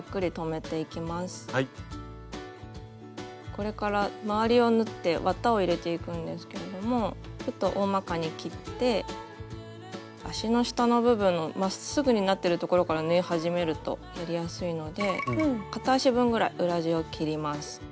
これから周りを縫って綿を入れていくんですけれどもちょっとおおまかに切って足の下の部分のまっすぐになってるところから縫い始めるとやりやすいので片足分ぐらい裏地を切ります。